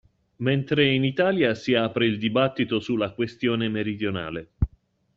Mentre in Italia si apre il dibattito sulla questione meridionale.